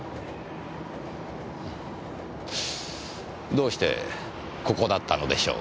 どうしてここだったのでしょう？